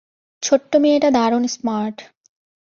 ছোট্ট মেয়েটা দারুণ স্মার্ট।